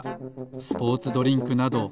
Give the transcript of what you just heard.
スポーツドリンクなど。